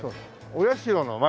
お社の前。